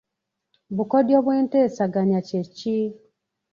Bukodyo bw'enteesaganya kye ki?